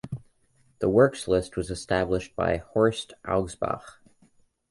The works list was established by Horst Augsbach.